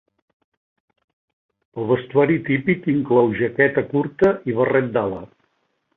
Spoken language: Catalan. El vestuari típic inclou jaqueta curta i barret d'ala.